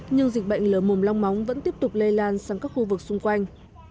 nhưng dịch bệnh lở mồm long móng vẫn tiếp tục lây lan sang các khu vực xung quanh